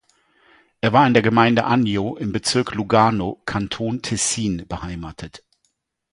Er war in der Gemeinde Agno, im Bezirk Lugano, Kanton Tessin beheimatet.